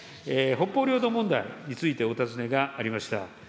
北方領土問題についてお尋ねがありました。